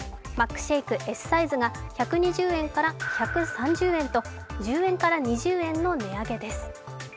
マックシェイクＳサイズが１２０円から１３０円と１０円から２０円の値上げです。